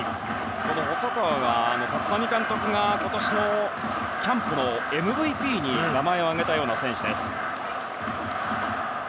細川は、立浪監督が今年のキャンプのＭＶＰに名前を挙げたような選手です。